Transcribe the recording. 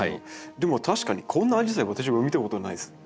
でも確かにこんなアジサイ私も見たことないです。